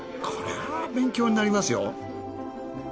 これは勉強になりますよ。